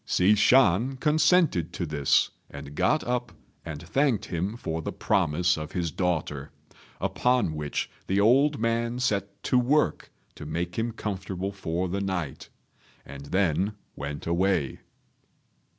Hsi Shan consented to this, and got up and thanked him for the promise of his daughter; upon which the old man set to work to make him comfortable for the night, and then went away.